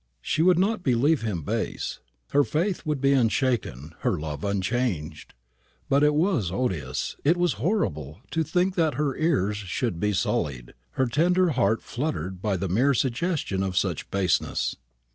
She would not believe him base; her faith would be unshaken, her love unchanged; but it was odious, it was horrible, to think that her ears should be sullied, her tender heart fluttered, by the mere suggestion of such baseness.